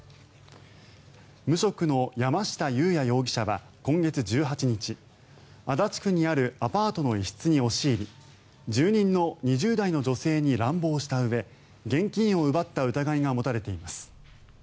無職の山下裕也容疑者は今月１８日足立区にあるアパートの一室に押し入り住人の２０代の女性に乱暴をしたうえ現金を奪った疑いが持たれています。